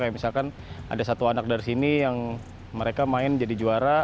kayak misalkan ada satu anak dari sini yang mereka main jadi juara